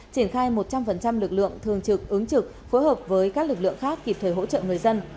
triển khai một trăm linh lực lượng thường trực ứng trực phối hợp với các lực lượng khác kịp thời hỗ trợ người dân